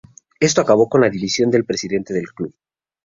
Esto acabó con la dimisión del presidente del club.